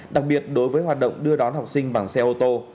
đặc biệt đối với hoạt động đưa đón học sinh bằng xe ô tô